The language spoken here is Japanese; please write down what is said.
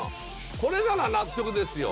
これなら納得ですよ。